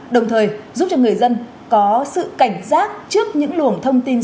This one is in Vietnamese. đồng thời giúp cho người dân có sự cảnh giác trước những luồng thông tin